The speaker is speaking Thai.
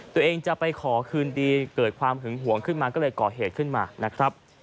ตัวเองจะไปขอคืนดีเกิดความหึงหวงขึ้นมาก็เลยก่อเหตุขึ้นมานะครับ